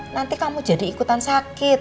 nanti kamu jadi ikutan sakit